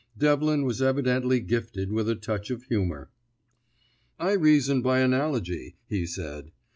Devlin was evidently gifted with a touch of humour. "I reason by analogy," he said.